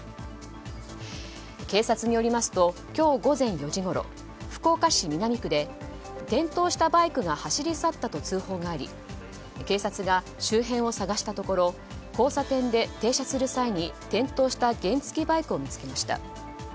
警察によりますと今日午前４時ごろ福岡市南区で転倒したバイクが走り去ったと通報があり警察が周辺を捜したところ交差点で停車する際に転倒した原付きバイクを見つけました。